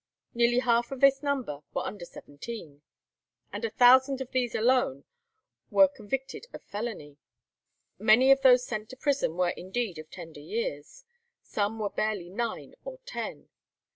Nearly half of this number were under seventeen, and a thousand of these alone were convicted of felony. Many of those sent to prison were indeed of tender years. Some were barely nine or ten.